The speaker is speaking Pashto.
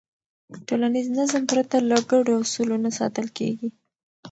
ټولنیز نظم پرته له ګډو اصولو نه ساتل کېږي.